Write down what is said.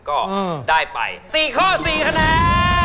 ก็ได้ไป๔ข้อ๔คะแนน